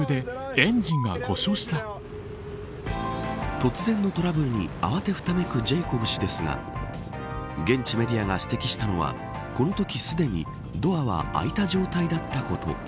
突然のトラブルに慌てふためくジェイコブ氏ですが現地メディアが指摘したのはこのときすでにドアは開いた状態だったこと。